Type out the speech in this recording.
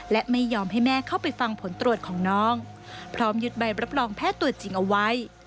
และไม่ยอมให้แม่เข้าไปฟังผลตรวจของน้องพร้อมยึดใบรับรองแพทย์ตัวจริงเอาไว้